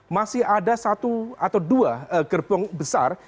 masih ada satu atau dua gerbong besar